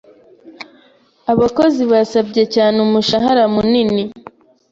Abakozi basabye cyane umushahara munini.